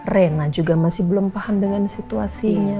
rena juga masih belum paham dengan situasinya